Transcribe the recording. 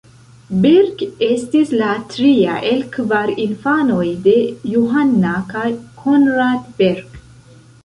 Berg estis la tria el kvar infanoj de Johanna kaj Conrad Berg.